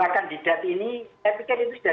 kandidat ini saya pikir itu sudah